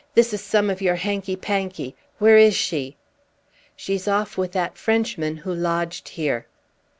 "This is some of your hanky panky! Where is she?" "She's off with that Frenchman who lodged here."